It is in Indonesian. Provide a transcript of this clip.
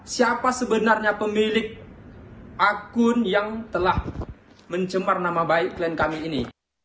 siapa sebenarnya pemilik akun yang telah mencemar nama baik klien kami ini